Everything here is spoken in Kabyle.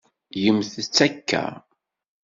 Gemt-tt akka.